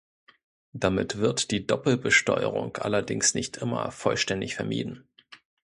Damit wird die Doppelbesteuerung allerdings nicht immer vollständig vermieden.